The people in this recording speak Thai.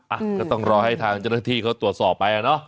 อะก็ต้องรอให้ทางจรษฐีเขาตรวจสอบไปแล้วเนอะ